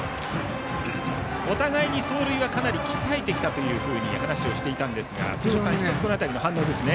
お互いに走塁はかなり鍛えてきたというふうに話をしていたんですが杉本さん、この辺りの反応ですね。